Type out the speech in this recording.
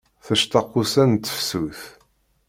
Tectaq ussan n tefsut.